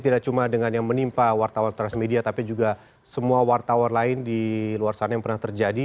tidak cuma dengan yang menimpa wartawan transmedia tapi juga semua wartawan lain di luar sana yang pernah terjadi